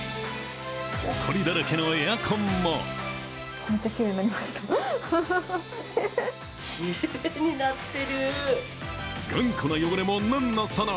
ほこりだらけのエアコンも頑固な汚れもなんのその。